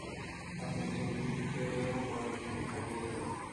আপনার ছবির চেয়েও বড় ছবি ছাপিয়ে দিল।